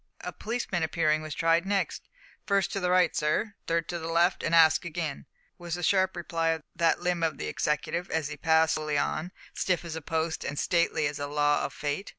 A policeman appearing was tried next. "First to the right, sir, third to the left, and ask again," was the sharp reply of that limb of the Executive, as he passed slowly on, stiff as a post, and stately as a law of fate.